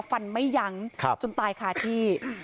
ฟันไม่ยั้งจนตายคาที่